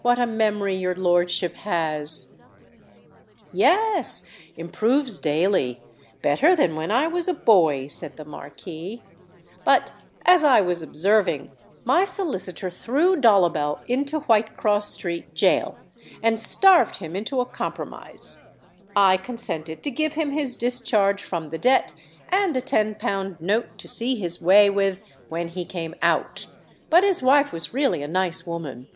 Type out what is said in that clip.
"What a memory your lordship has!" "Yes—improves daily—better than when I was a boy," said the Marquis. "But as I was observing, my solicitor threw Dollabel into Whitecross Street gaol, and starved him into a compromise. I consented to give him his discharge from the debt and a ten pound note to see his way with when he came out. But his wife was really a nice woman!"